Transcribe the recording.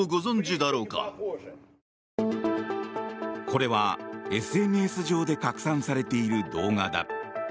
これはＳＮＳ上で拡散されている動画だ。